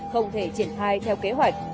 không thể triển khai theo kế hoạch